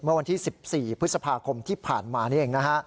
เมื่อวันที่๑๔พฤษภาคมที่ผ่านมานี่เองนะฮะ